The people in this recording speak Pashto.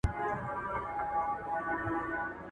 عملي کار تر تشو خبرو ښه دی.